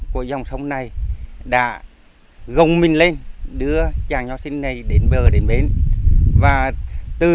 của dòng sông này đã gông minh lên đưa chàng nho xinh đẹp vào